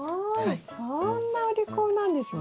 そんなお利口なんですね。